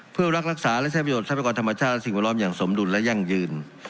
เพื่อรักษาและใช้ประโยชนทรัพยากรธรรมชาติและสิ่งแวดล้อมอย่างสมดุลและยั่งยืน